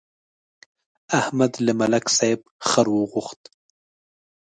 احمد له ملک صاحب خر وغوښت.